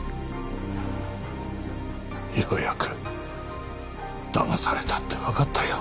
ようやくだまされたってわかったよ。